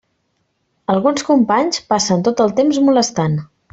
Alguns companys passen tot el temps molestant.